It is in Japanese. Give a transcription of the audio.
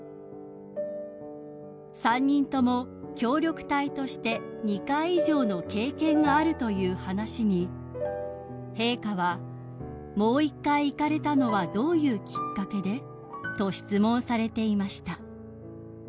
［３人とも協力隊として２回以上の経験があるという話に陛下は「もう一回行かれたのはどういうきっかけで？」と質問されていました］